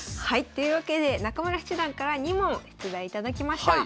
というわけで中村七段から２問出題頂きました。